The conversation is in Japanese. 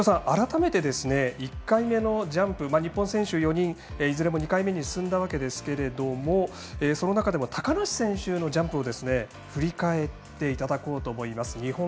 改めて、１回目のジャンプ日本選手４人いずれも２回目に進んだわけですがその中でも高梨選手のジャンプを振り返っていただこうと思います。